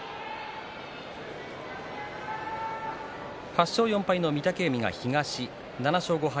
８勝４敗の御嶽海が東７勝５敗